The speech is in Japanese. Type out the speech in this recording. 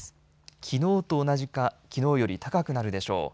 きのうと同じかきのうより高くなるでしょう。